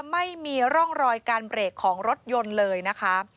ไม่มีร่องรอยการเบรกของรถยนต์เลยนะคะ